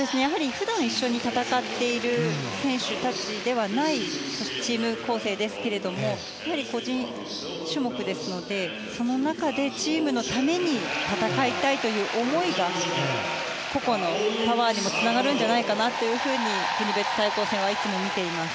普段一緒に戦っている選手たちではないチーム構成ですけれども個人種目ですのでその中でチームのために戦いたいという思いが個々のパワーにもつながるんじゃないかと国別対抗戦はいつも見ています。